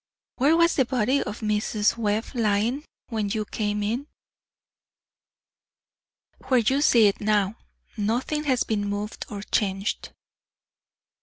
"Where was the body of Mrs. Webb lying when you came in?" "Where you see it now. Nothing has been moved or changed."